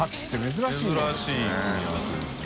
珍しい組み合わせですね。